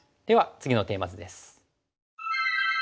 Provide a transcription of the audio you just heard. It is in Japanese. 次のテーマ図です。